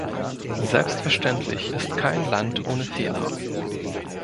Selbstverständlich ist kein Land ohne Fehler.